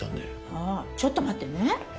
ああちょっと待ってね。